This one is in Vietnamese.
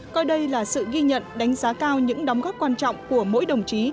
coi đây là sự ghi nhận đánh giá cao những đóng góp quan trọng của mỗi đồng chí